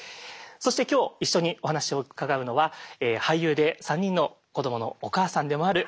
そして今日一緒にお話を伺うのは俳優で３人の子どものお母さんでもある矢沢心さんです。